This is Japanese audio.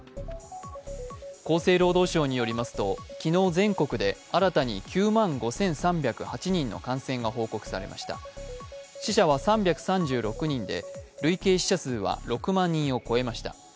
厚生労働省によりますと昨日全国で新たに９万５３０８人の感染が報告されました死者は３３６人で累計死者数は６万人を超えました。